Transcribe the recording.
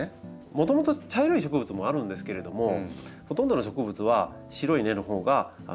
もともと茶色い植物もあるんですけれどもほとんどの植物は白い根のほうが健康ですね。